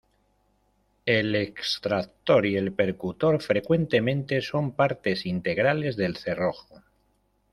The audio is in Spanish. El extractor y el percutor frecuentemente son partes integrales del cerrojo.